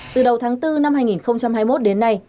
từ đầu tháng bốn năm hai nghìn hai mươi một đến nay